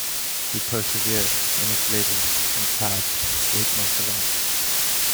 He persevered in his labors and passed eight months alone.